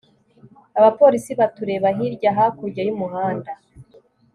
abapolisi batureba hirya hakurya y'umuhanda